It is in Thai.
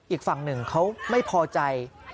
อีกฝั่งหนึ่งเขาไม่พอใจ